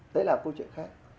đấy là câu chuyện khác